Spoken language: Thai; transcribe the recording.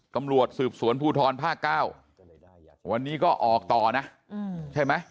ตำรวจสืบสวนภูทรภาค๙วันนี้ก็ออกต่อนะใช่ไหม